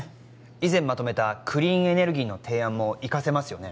以前まとめたクリーンエネルギーの提案も生かせますよね